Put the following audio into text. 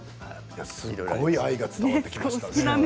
すっごい愛が伝わってきました。